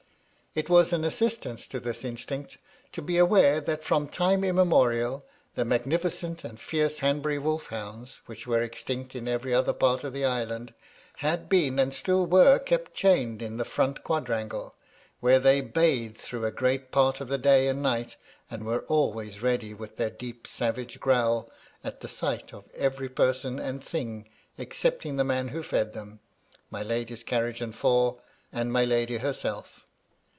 It was an assistance to this instinct to be aware that from time immemorial, the magnificent and fierce Hanbury wolf hounds, which were extinct in every other part of the island, had been and still were kept chained in the front quadrangle, where they bayed through a great part of the day and night, and were always ready with their deep, savage growl at the sight of every person and thing, excepting the man who fed them, my lady's carriage and four, and my lady herself.